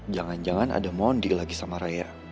jangan jangan ada mondi lagi sama raya